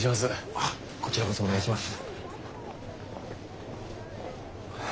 あっこちらこそお願いします。